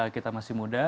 kita masih muda